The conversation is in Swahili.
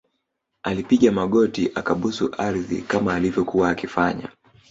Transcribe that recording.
alipiga magoti akabusu ardhi kama alivyokuwa akifanya